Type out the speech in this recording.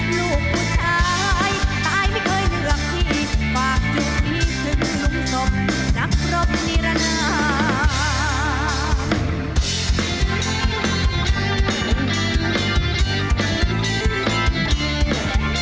ลูกผู้ชายตายไม่เคยเลือกที่ฝากจุดนี้ถึงลุงศพนักรบนิรนา